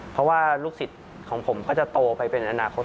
เพราะว่าลูกศิษย์ของผมก็จะโตไปเป็นอนาคต